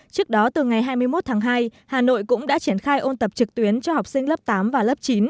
trước đó từ ngày hai mươi một tháng hai hà nội cũng đã triển khai ôn tập trực tuyến cho học sinh lớp tám và lớp chín